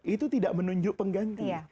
itu tidak menunjuk pengganti